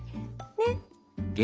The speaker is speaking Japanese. ねっ。